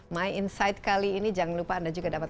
my insight kali ini jangan lupa anda juga dapat